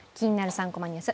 ３コマニュース」